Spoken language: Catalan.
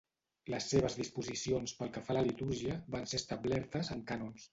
Les seves disposicions pel que fa a la litúrgia van ser establertes en cànons.